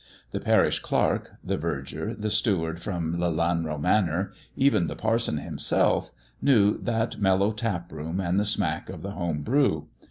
The parish clerk, the verger, the steward from Lelanro Manor, even the parson himself, knew that mellow taproom and the smack of the home brew.